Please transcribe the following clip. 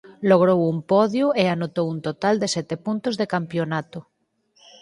Logrou un podio e anotou un total de sete puntos de campionato.